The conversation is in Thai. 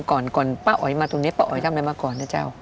ก่อนก่อนป้าอ๋อยมาตรงนี้ป้าอ๋อยทำอะไรมาก่อนนะเจ้า